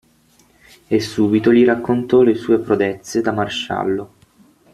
E subito gli raccontò le sue prodezze da maresciallo.